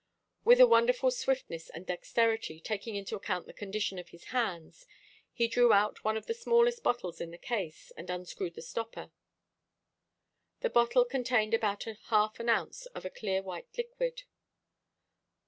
With a wonderful swiftness and dexterity, taking into account the condition of his hands, he drew out one of the smallest bottles in the case, and unscrewed the stopper. The bottle contained about half an ounce of a clear white liquid.